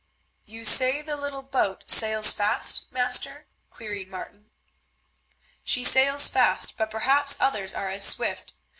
"You say the little boat sails fast, master?" queried Martin. "She sails fast, but perhaps others are as swift.